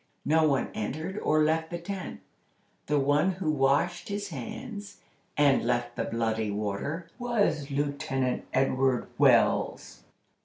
No one entered or left the tent. The one who washed his hands, and left the bloody water, was Lieutenant Edward Wells."